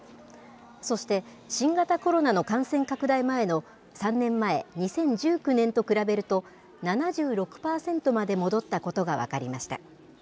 そして、新型コロナの感染拡大前の３年前、２０１９年と比べると、７６％まで戻ったことが分かりました。